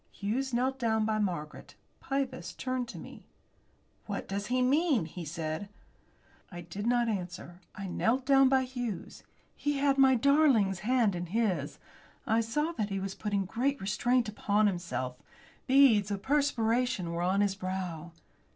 Hughes knelt down by Margaret. Pybus turned to me. "What does he mean?" he said. I did not answer. I knelt down by Hughes. He had my darling's hand in his. I saw that he was putting great restraint upon himself. Beads of perspiration were on his brow.